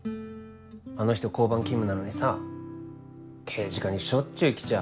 あの人交番勤務なのにさ刑事課にしょっちゅう来ちゃ